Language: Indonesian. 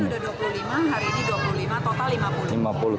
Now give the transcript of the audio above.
kemarin udah dua puluh lima hari ini dua puluh lima